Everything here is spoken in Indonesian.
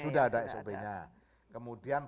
sudah ada sop nya kemudian